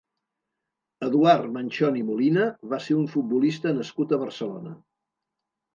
Eduard Manchón i Molina va ser un futbolista nascut a Barcelona.